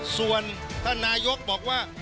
ส่วนท่านนายกบอกว่า